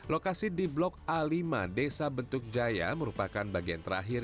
lokasi di blok a lima desa bentuk jaya merupakan bagian terakhir